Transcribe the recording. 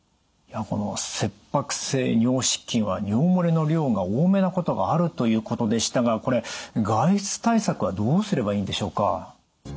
この切迫性尿失禁は尿漏れの量が多めなことがあるということでしたがこれ外出対策はどうすればいいんでしょうか？